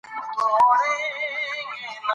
هغې باید خپل ځان ساتلی وای.